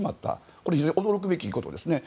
これは非常に驚くべきことですね。